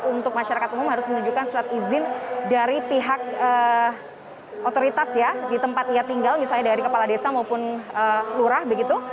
untuk masyarakat umum harus menunjukkan surat izin dari pihak otoritas ya di tempat ia tinggal misalnya dari kepala desa maupun lurah begitu